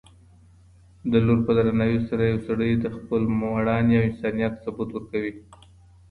د لور په درناوي سره یو سړی د خپل مېړانې او انسانیت ثبوت ورکوي.